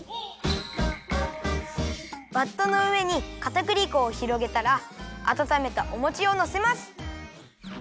バットのうえにかたくり粉をひろげたらあたためたおもちをのせます。